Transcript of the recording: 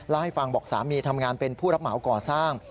เล่าให้ฟังบอกสามีทำงานเป็นผู้รับเหมาก่อสร้าง